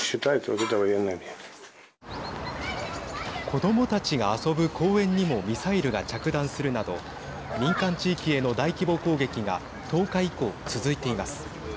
子どもたちが遊ぶ公園にもミサイルが着弾するなど民間地域への大規模攻撃が１０日以降、続いています。